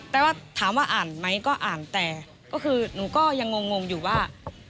แต่ว่าถามว่าอ่านไหมก็อ่านแต่ก็คือหนูก็ยังงงอยู่ว่า